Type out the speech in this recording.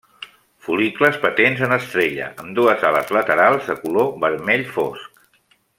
Fol·licles patents en estrella, amb dues ales laterals, de color vermell fosc.